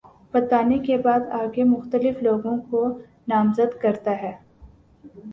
بتانے کے بعد آگے مختلف لوگوں کو نامزد کرتا ہے